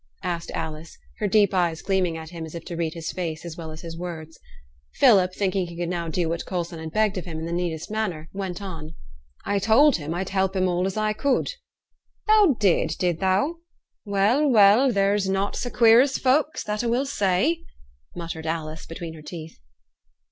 asked Alice, her deep eyes gleaming at him as if to read his face as well as his words. Philip, thinking he could now do what Coulson had begged of him in the neatest manner, went on, 'I told him I'd help him all as I could ' 'Thou did, did thou? Well, well, there's nought sa queer as folks, that a will say,' muttered Alice, between her teeth.